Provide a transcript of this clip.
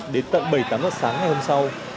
đến tận bảy tám giờ sáng ngày hôm sau